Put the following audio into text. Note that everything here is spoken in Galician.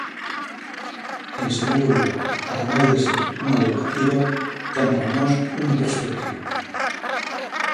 En segundo lugar, ademais de ser unha lei cativa, ten para nós unha perspectiva.